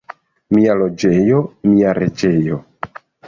Mia loĝejo — mia reĝejo.